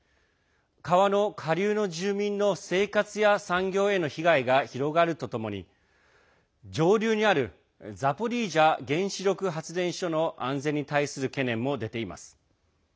川の下流の住民の生活や産業への被害が広がるとともに上流にあるザポリージャ原子力発電所の安全に対する懸念も出ています。